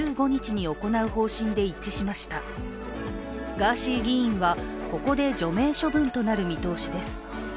ガーシー議員はここで除名処分となる見通しです。